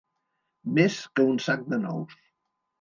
Més que un sac de nous.